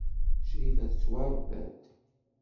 Crifa tettwaṛebba-d.